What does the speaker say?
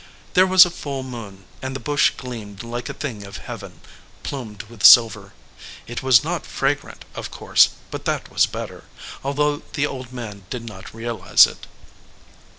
There was a full moon, and the bush gleamed like a thing of Heaven plumed with silver. It was not fragrant, of course, but that was better, although the old man did not realize it.